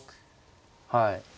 はい。